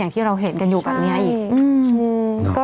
ที่เราเห็นกันอยู่แบบนี้อีก